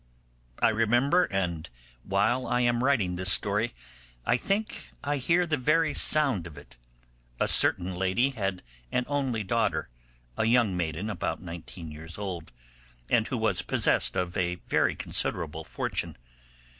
I remember, and while I am writing this story I think I hear the very sound of it, a certain lady had an only daughter, a young maiden about nineteen years old, and who was possessed of a very considerable fortune.